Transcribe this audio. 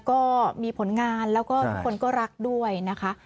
ก็มีผลงานและคนนี้คนรักด้วยนะคะ